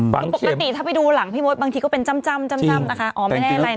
คือปกติถ้าไปดูหลังพี่มดบางทีก็เป็นจ้ำนะคะอ๋อไม่ได้อะไรนะ